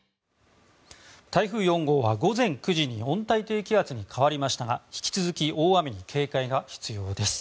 台風４号は午前９時に温帯低気圧に変わりましたが引き続き大雨に警戒が必要です。